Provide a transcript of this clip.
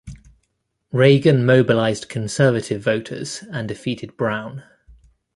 Reagan mobilized conservative voters and defeated Brown.